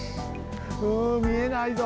うんみえないぞ！